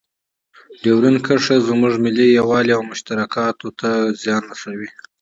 ډیورنډ کرښه زموږ ملي یووالي او مشترکاتو ته زیان رسوي.